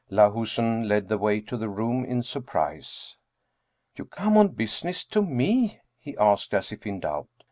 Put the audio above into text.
Lahusen led the way to the room in surprise. " You come on business ? To me ?" he asked as if in doubt.